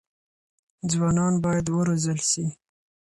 ځوانان بايد وروزل سي.